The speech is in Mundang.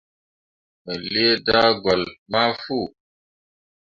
Me lii daagolle ma fu.